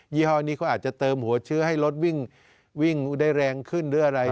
ี่ห้อนี้เขาอาจจะเติมหัวเชื้อให้รถวิ่งได้แรงขึ้นหรืออะไร